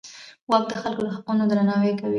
واک د خلکو د حقونو درناوی کوي.